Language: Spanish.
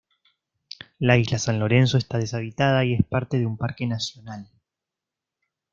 La isla San Lorenzo está deshabitada y es parte de un parque nacional.